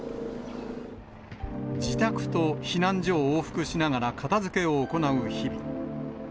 自宅と避難所を往復しながら、片づけを行う日々。